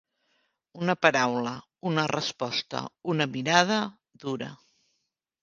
Una paraula, una resposta, una mirada, dura.